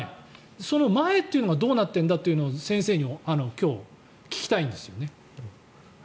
その前というのがどうなってるんだというのを先生に今日聞きたいんですよね。